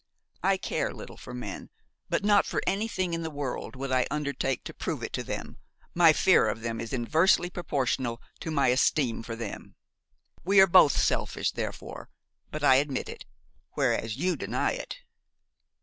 I care little for men; but not for anything in the world would I undertake to prove it to them, my fear of them is inversely proportional to my esteem for them. We are both selfish therefore but I admit it, whereas you deny it."